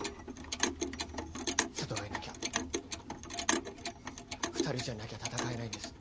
佐都がいなきゃ２人じゃなきゃ戦えないんです。